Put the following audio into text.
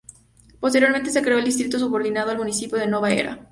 Posteriormente se creó el distrito subordinado al municipio de Nova Era.